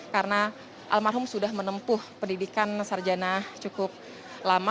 karena almarhum sudah menempuh pendidikan sarjana cukup lama